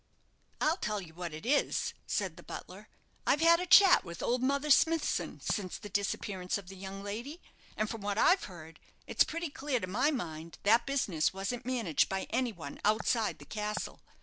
"I'll tell you what it is," said the butler; "I've had a chat with old Mother Smithson since the disappearance of the young lady; and from what I've heard, it's pretty clear to my mind that business wasn't managed by any one outside the castle.